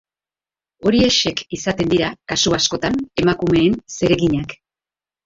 Horiexek izaten dira, kasu askotan, emakumeen zereginak.